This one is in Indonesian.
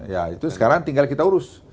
ya itu sekarang tinggal kita urus